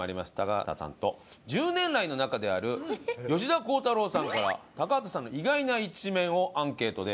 高畑さんと１０年来の仲である吉田鋼太郎さんから高畑さんの意外な一面をアンケートで頂きました。